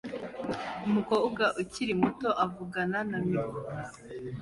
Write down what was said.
Umukobwa ukiri muto uvugana na mikoro